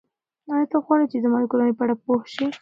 ایا ته غواړې چې زما د کورنۍ په اړه پوه شې؟